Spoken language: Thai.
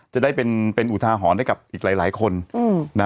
จะได้เป็นอุทาหอนได้กับอีกหลายคน